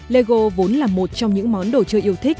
lego vốn là một trong những món đồ chơi yêu thích